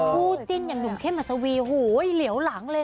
คู่จิ้นอย่างหนุ่มเข้มอัศวีโหเหลียวหลังเลย